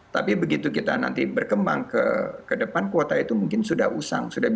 tapi begitu kita nanti berkembang ke depan kuota itu mungkin sudah usang